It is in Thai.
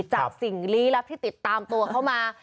สิ่งลี้ลับที่ติดตามตัวเข้ามา